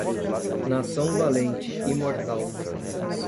Nação valente, imortal